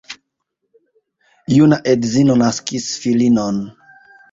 Juna edzino naskis filinon.